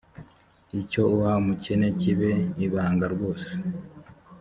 icyo uha umukene kibe ibanga rwose